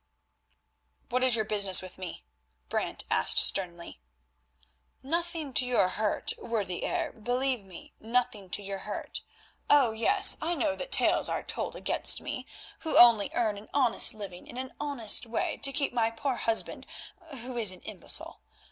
"What is your business with me?" Brant asked sternly. "Nothing to your hurt, worthy Heer, believe me, nothing to your hurt. Oh! yes, I know that tales are told against me, who only earn an honest living in an honest way, to keep my poor husband, who is an imbecile.